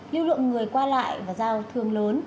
lưu lượng người qua lại và giao thương lớn